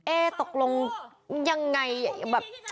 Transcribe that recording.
เอ๊ะตกลงยังไงแบบ